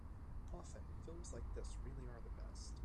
Often, films like this really are the best.